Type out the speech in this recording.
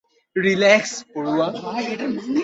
Relax, পড়ুয়া।